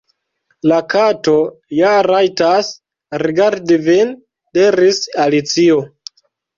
"La Kato ja rajtas_ rigardi vin," diris Alicio. "